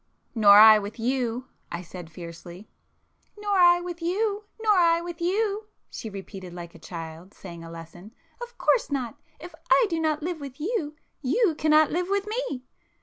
"Nor I with you!" I said fiercely. "Nor I with you—nor I with you!" she repeated like a child saying a lesson—"Of course not!—if I do not live with you, you cannot live with me!"